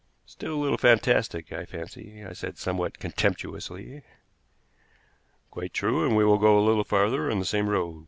"Still a little fantastic, I fancy," I said somewhat contemptuously. "Quite true, and we will go a little farther on the same road.